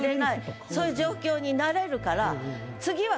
そういう状況になれるから。